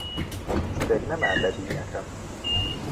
شتێک نەما بەدیی نەکەم: